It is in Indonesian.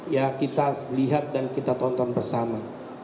ya kita lihat dan kita tonton bersama